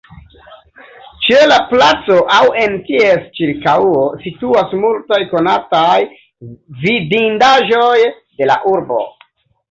Ĉe la placo aŭ en ties ĉirkaŭo situas multaj konataj vidindaĵoj de la urbo.